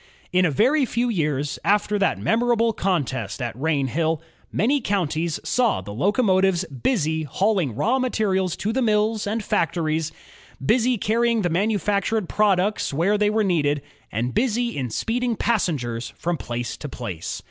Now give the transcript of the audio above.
In a very few years after that memorable contest at Rainhill, many counties saw the locomotives busy hauling raw materials to the mills and factories, busy carrying the manufactured products where they were needed, and busy in speeding passengers from place to place.